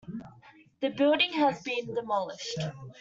The building has been demolished.